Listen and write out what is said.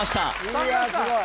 いやすごい！